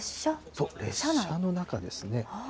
そう、列車の中ですね。